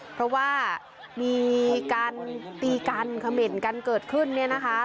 เพราะว่ามีการตีกันเขม่นกันเกิดขึ้นเนี่ยนะคะ